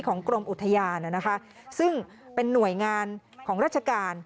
กรมอุทยานซึ่งเป็นหน่วยงานของราชการ